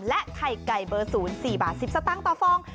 และไข่ไก่เบอร์ศูนย์๔บาท๑๐สตางค์ต่อฟอง